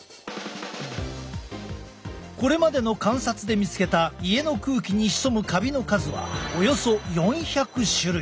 これまでの観察で見つけた家の空気に潜むカビの数はおよそ４００種類。